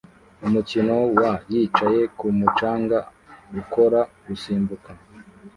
Umukino wa yicaye kumu canga ukora gusimbuka